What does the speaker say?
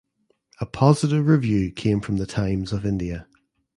A positive review came from the "Times of India".